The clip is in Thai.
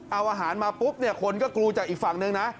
เอาอาหารมาปุ๊บคนก็กลูจากอีกฝั่งหนึ่งนะ